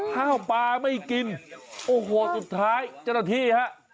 ข้าวปลาไม่กินโอ้โหสุดท้ายเจ้าหน้าที่ฮะ